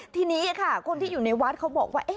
ทีนี้ค่ะคนที่อยู่ในวัดเขาบอกว่า